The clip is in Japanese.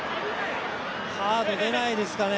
カード出ないですかね。